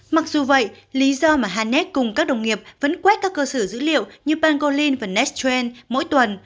mặc dù vậy lý do mà hannet cùng các đồng nghiệp vẫn quét các cơ sở dữ liệu như pangolin và natren mỗi tuần